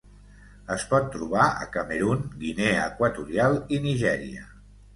Es pot trobar a Camerun, Guinea Equatorial i Nigèria.